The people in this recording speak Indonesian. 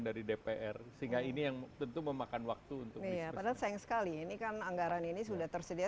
dari dpr sehingga ini yang tentu memakan waktu untuk misi persen padahal sayang sekali ini kan